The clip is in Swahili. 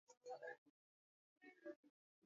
kabla ya kusafirisha madawa hayo hadi barani Ulaya na